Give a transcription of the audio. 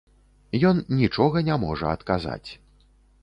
Ён нічога не можа адказаць.